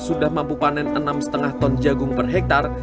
sudah mampu panen enam lima ton jagung per hektare